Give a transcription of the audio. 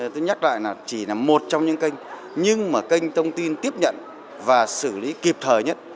tôi nhắc lại là chỉ là một trong những kênh nhưng mà kênh thông tin tiếp nhận và xử lý kịp thời nhất